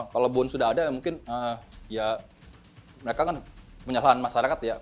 kalau bon sudah ada mungkin ya mereka kan menyalahan masyarakatnya ya